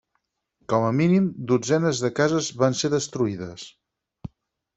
Com a mínim dotzenes de cases van ser destruïdes.